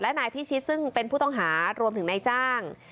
และนายพิชิตซึ่งเป็นผู้ต้องหารวมถึงนายจ้าง